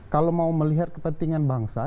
kalau mau melihat kepentingan bangsa